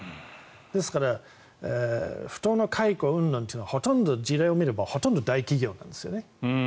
ですから不当な解雇うんぬんというのは時代を見ればほとんど大企業なんですよね。